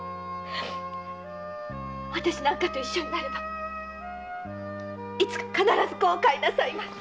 私なんかと一緒になればいつか必ず後悔なさいます。